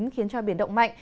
khiến cho biển động mạnh